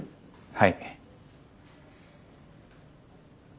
はい。